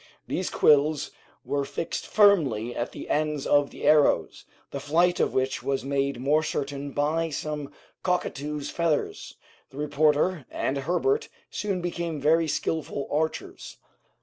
These quills were fixed firmly at the ends of the arrows, the flight of which was made more certain by some cockatoos' feathers. The reporter and Herbert soon became very skilful archers.